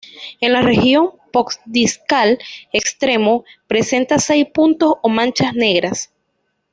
En la región postdiscal externo, presenta seis puntos o manchas negras.